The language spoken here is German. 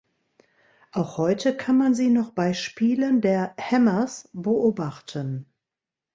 Auch heute kann man sie noch bei Spielen der „Hammers“ beobachten.